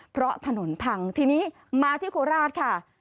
เพราะถนนพังทีนี้มาที่โคราชค่ะ